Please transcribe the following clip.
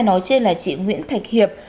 nói trên là chị nguyễn thạch hiệp